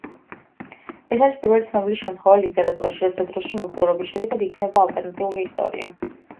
ეს არის პირველი ცნობილი შემთხვევა ლიტერატურაში, როცა დროში მოგზაურობის შედეგად იქმნება ალტერნატიული ისტორია.